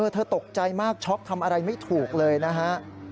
เธอตกใจมากช็อกทำอะไรไม่ถูกเลยนะฮะ